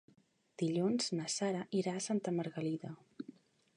Dilluns na Sara irà a Santa Margalida.